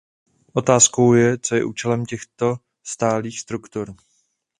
Otázkou je, co je účelem těchto stálých struktur.